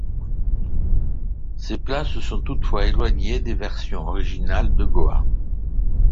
Ces plats se sont toutefois éloignés des versions originales de Goa.